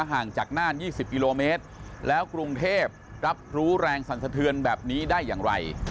ห่างจากน่าน๒๐กิโลเมตรแล้วกรุงเทพรับรู้แรงสรรสะเทือนแบบนี้ได้อย่างไร